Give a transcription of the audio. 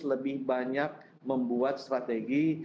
lebih banyak membuat strategi